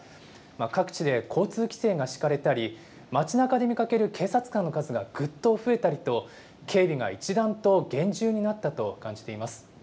各地で交通規制が敷かれたり、街なかで見かける警察官の数がぐっと増えたりと、警備が一段と厳重になったと感じています。